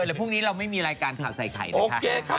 เดี๋ยวพรุ่งนี้เราไม่มีรายการข่าวใส่ไข่นะคะ